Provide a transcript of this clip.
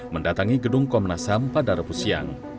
mendatangi gedung komnas ham pada rebus siang